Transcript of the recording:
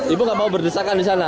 ibu nggak mau berdesakan di sana